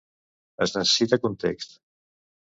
Es necessita context.